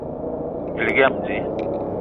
Elig yam dji